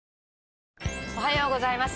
おはようございます。